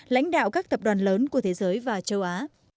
lãnh đạo các tập đoàn lớn của thế giới và châu á